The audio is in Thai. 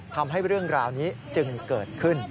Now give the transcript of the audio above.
ทำให้เรื่องราวนี้จึงเกิดขึ้น